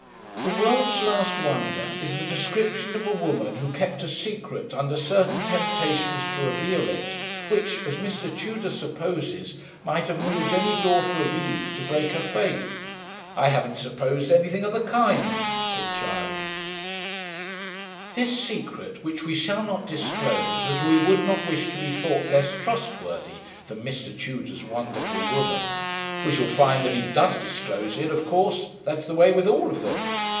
"'The World's Last Wonder' is the description of a woman who kept a secret under certain temptations to reveal it, which, as Mr. Tudor supposes, might have moved any daughter of Eve to break her faith." 'I haven't supposed anything of the kind,' said Charley. 'This secret, which we shall not disclose, as we would not wish to be thought less trustworthy than Mr. Tudor's wonderful woman ' 'We shall find that he does disclose it, of course; that is the way with all of them.'